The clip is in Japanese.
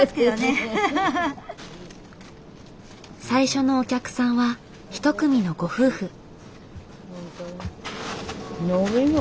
最初のお客さんは一組のご夫婦。